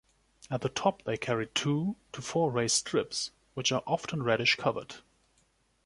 At the top they carry two to four raised strips, which are often reddish covered.